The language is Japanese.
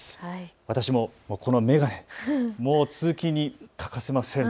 私もこの眼鏡、もう通勤に欠かせません。